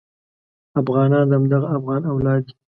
افغانان د همدغه افغان اولاد دي.